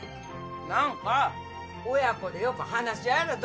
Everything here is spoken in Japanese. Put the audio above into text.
何か親子でよく話し合えだと。